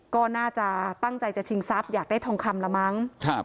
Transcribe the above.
ก็น่าจะตั้งใจจะชิงทรัพย์อยากได้ทองคำละมั้งครับ